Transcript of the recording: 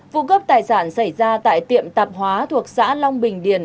vụ cướp tài sản xảy ra tại tiệm tạp hóa thuộc xã long bình điền